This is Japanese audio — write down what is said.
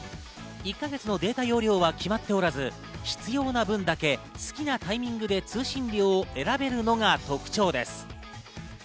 １か月のデータ容量は決まっておらず必要な分だけ好きなタイミングで通信料を選べるのが特徴です。